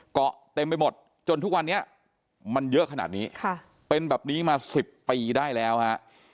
เกาะเต็มไปหมดจนทุกวันนี้มันเยอะขนาดนี้เป็นแบบนี้มา๑๐ปีได้แล้วฮะ